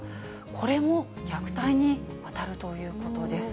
これも虐待に当たるということです。